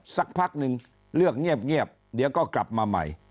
สักพักหนึ่งเลือกเงียบเดี๋ยวก็กลับมาใหม่